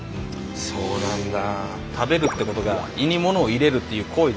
そうなんだ！